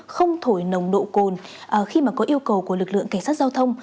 không thổi nồng độ cồn khi mà có yêu cầu của lực lượng cảnh sát giao thông